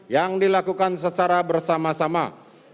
yang dilakukan oleh sikmh